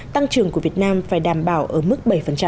tăng trưởng của việt nam phải đảm bảo ở mức bảy